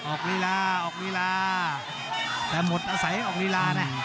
ออกรีลาออกรีลาแต่หมดอาศัยออกรีลาเนี่ย